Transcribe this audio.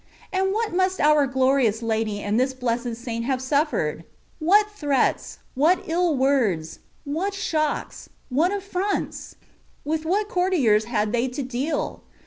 And what must our glorious Lady and this blessed Saint have suffered? What threats — what ill words — what shocks — what affronts? With what courtiers had they to deal